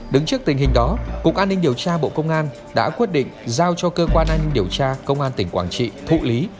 đứng trước tình hình đó cục an ninh điều tra bộ công an đã quyết định giao cho cơ quan anh điều tra công an tỉnh quảng trị thụ lý